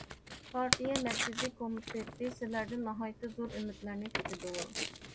پارتىيە مەركىزىي كومىتېتى سىلەردىن ناھايىتى زور ئۈمىدلەرنى كۈتىدۇ.